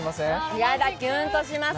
いやだ、キュンとします。